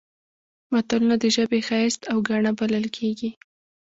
متلونه د ژبې ښایست او ګاڼه بلل کیږي